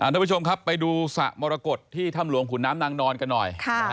ทุกผู้ชมครับไปดูสระมรกฏที่ถ้ำหลวงขุนน้ำนางนอนกันหน่อย